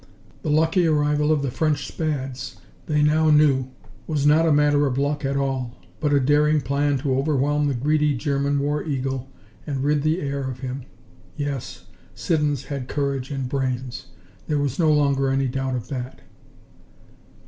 The lucky arrival of the French Spads, they now knew, was not a matter of luck at all, but a daring plan to overwhelm the greedy German war eagle and rid the air of him. Yes, Siddons had courage and brains. There was no longer any doubt of that.